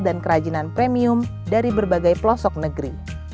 dan kerajinan premium dari berbagai pelosok negeri